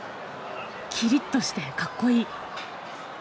キリッとしてかっこいい。